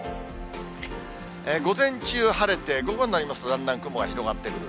午前中晴れて、午後になりますと、だんだん雲が広がってくる。